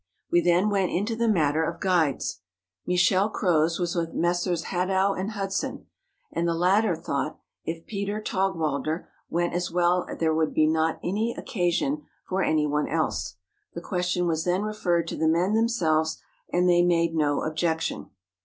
We then went into the matter of guides. Michel Croz was with Messrs. Hadow and Hudson; and the latter thought if Peter Taugwalder, went as well that there would not be occasion for any one else. The question was then referred to the men themselves, and they made no objection.